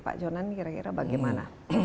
pak jonan kira kira bagaimana